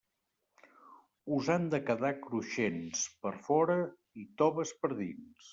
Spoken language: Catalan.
Us han de quedar cruixents per fora i toves per dins.